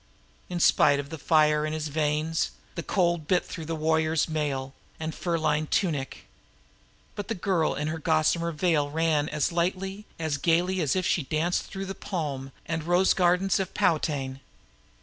In spite of the fire in his veins, the cold bit through the warrior's mail and furs; but the girl in her gossamer veil ran as lightly and as gaily as if she danced through the palms and rose gardens of Poitain.